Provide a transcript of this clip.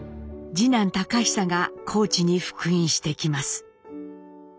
次男隆久が高知に復員してきます。